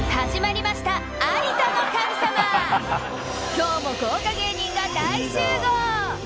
今日も豪華芸人が大集合！